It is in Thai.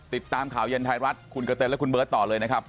ติดตามข่าวเย็นไทยรัฐคุณกระเต็นและคุณเบิร์ตต่อเลยนะครับ